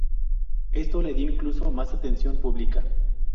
Esto le dio incluso más atención pública.